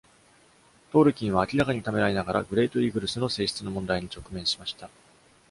トールキンは、明らかにためらいながら、グレート・イーグルスの性質の問題に直面しました。